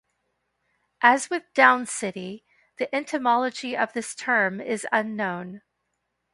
As with "downcity", the etymology of this term is unknown.